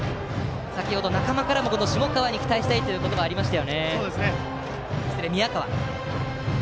先程仲間からも宮川に期待したいという言葉がありました。